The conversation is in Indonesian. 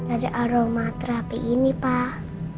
ada aroma terapi ini pak